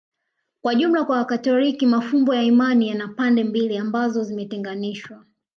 Kwa jumla kwa Wakatoliki mafumbo ya imani yana pande mbili ambazo zimetenganishwa